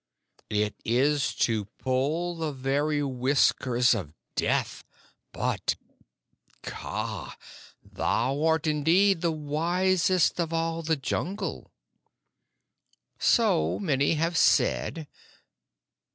"It is to pull the very whiskers of Death, but Kaa, thou art, indeed, the wisest of all the Jungle." "So many have said.